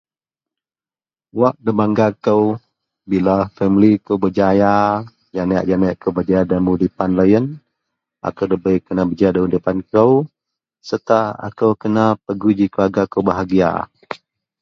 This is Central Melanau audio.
Wak nebangga kou bila famili kou berjaya janek-janek kou berjaya dagen udipan loyen akou debei kena berjaya dagen udipan kou serta akou kena pegui keluarga kou bahagia.